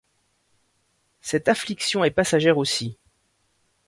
Cette affliction est passagère aussi.